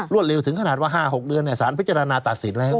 เร็วถึงขนาดว่า๕๖เดือนสารพิจารณาตัดสินแล้ว